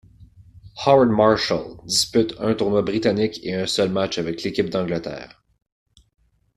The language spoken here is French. Howard Marshall dispute un tournoi britannique et un seul match avec l'équipe d'Angleterre.